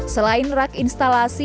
selain rak instalasi